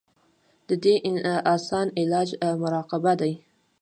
د دې اسان علاج مراقبه دے -